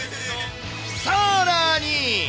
さらに。